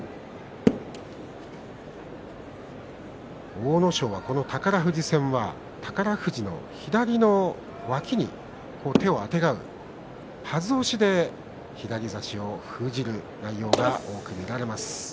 阿武咲は宝富士戦は宝富士の左のわきに手をあてがうはず押しで左差しを封じる内容が多く見られます。